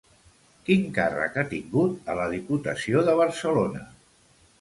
Quin càrrec ha tingut a la Diputació de Barcelona?